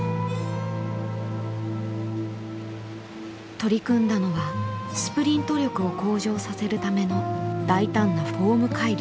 取り組んだのはスプリント力を向上させるための大胆なフォーム改良。